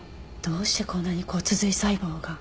どうしてこんなに骨髄細胞が？